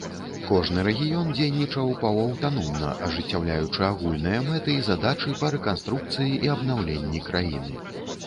Кожны рэгіён дзейнічаў паўаўтаномна, ажыццяўляючы агульныя мэты і задачы па рэканструкцыі і абнаўленні краіны.